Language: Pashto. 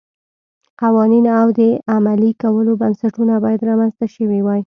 قوانین او د عملي کولو بنسټونه باید رامنځته شوي وای